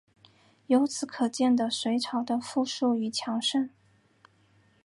由此可见的隋朝的富庶与强盛。